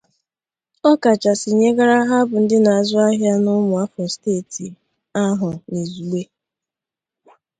ọ kachasị nyegara ha bụ ndị na-azụ ahịa na ụmụafọ steeti ahụ n'izugbe.